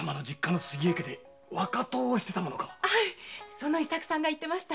その伊作さんが言ってました。